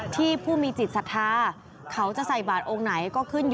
ที่ผู้มีจิตศัทธาเขาจะใส่บาทองค์ไหน